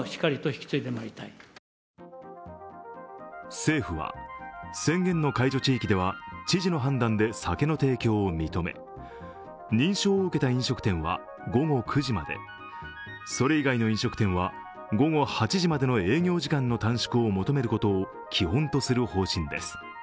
政府は宣言の解除地域では知事の判断で酒の提供を認め認証を受けた飲食店は午後９時まで、それ以外の飲食店は午後８時までの営業時間の短縮を求めることを基本とする方針です。